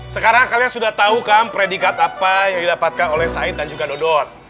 sekarang kalian sudah tahu kan predikat apa yang didapatkan oleh said dan juga dodot